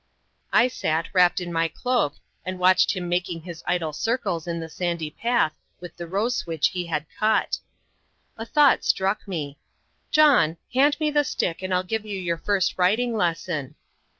I sat wrapped in my cloak, and watched him making idle circles in the sandy path with the rose switch he had cut. A thought struck me. "John, hand me the stick and I'll give you your first writing lesson."